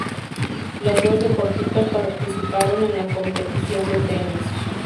Las dos deportistas participaron en la competición de tenis.